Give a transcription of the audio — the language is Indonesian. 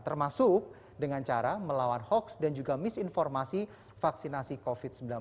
termasuk dengan cara melawan hoaks dan juga misinformasi vaksinasi covid sembilan belas